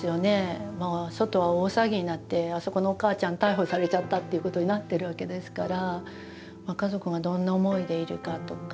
外は大騒ぎになってあそこのお母ちゃん逮捕されちゃったっていうことになってるわけですから。